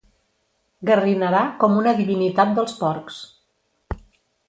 Garrinarà com una divinitat dels porcs.